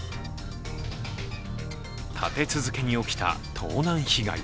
立て続けに起きた、盗難被害。